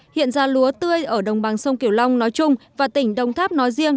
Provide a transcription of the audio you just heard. hiện ra lúa tươi ở đồng bằng sông kiểu long nói chung và tỉnh đồng tháp nói riêng